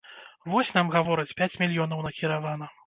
Вось, нам гавораць, пяць мільёнаў накіравана.